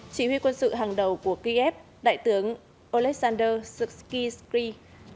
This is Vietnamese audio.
chỉ huy quân sự hàng đầu của kiev đại tướng oleksandr sutskiskiy